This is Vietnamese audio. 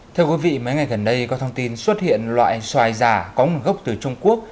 thưa quý vị mấy ngày gần đây có thông tin xuất hiện loại xoài giả có nguồn gốc từ trung quốc